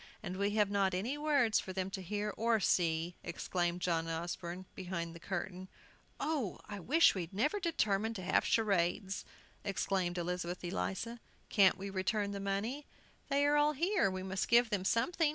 "And we have not any words for them to hear or see!" exclaimed John Osborne, behind the curtain. "Oh, I wish we'd never determined to have charades! exclaimed Elizabeth Eliza. "Can't we return the money?" "They are all here; we must give them something!"